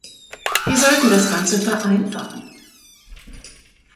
Wir sollten das Ganze vereinfachen.